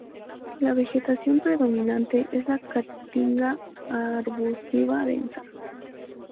La vegetación predominante es la caatinga arbustiva densa.